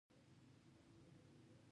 بس په خوب کې یو بل خوب دی.